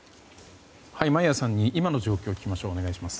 眞家さんに今の状況を聞きます。